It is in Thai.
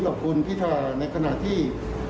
คุณสิริกัญญาบอกว่า๖๔เสียง